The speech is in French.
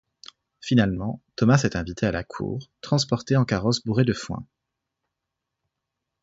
Finalement Tomás est invité à la cour, transporté en carrosse bourré de foin.